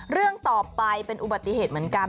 เรื่องต่อไปเป็นอุบัติเหตุเหมือนกัน